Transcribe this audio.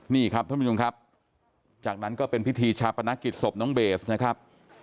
นี่ครับท่านผู้ชมครับจากนั้นก็เป็นพิธีชาปนกิจศพน้องเบสนะครับ